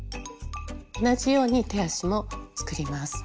同じように手足も作ります。